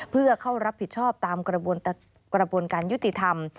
เพื่อเข้ารับผิดชอบตามกระบวนการยุติธรรม